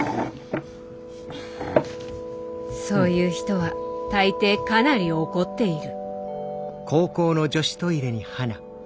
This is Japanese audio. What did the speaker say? そう言う人は大抵かなり怒っている。